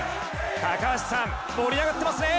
高橋さん、盛り上がってますね。